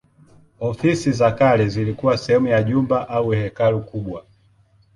Ofisi za kale zilikuwa sehemu ya jumba au hekalu kubwa.